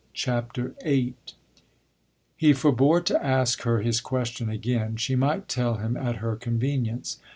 CHAPTER VIII He forbore to ask her his question again she might tell him at her convenience.